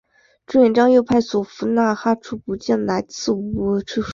朱元璋又派所俘纳哈出部将乃剌吾携带玺书前去谕降。